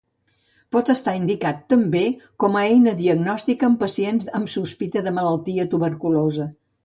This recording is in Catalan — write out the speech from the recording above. Pot estar indicat també com a eina diagnostica en pacients amb sospita de malaltia tuberculosa.